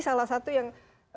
salah satu yang